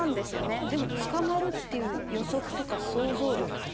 でも捕まるっていう予測とか想像力とか。